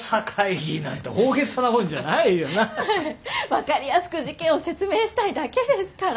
分かりやすく事件を説明したいだけですから。